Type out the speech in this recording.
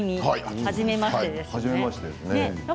はじめましてですね。